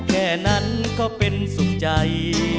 แค่นั้นก็เป็นสุขใจ